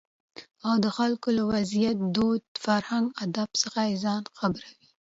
او دخلکو له وضعيت، دود، فرهنګ اداب څخه ځان خبروي.